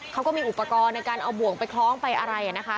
เขาก็มีอุปกรณ์ในการเอาบ่วงไปคล้องไปอะไรนะคะ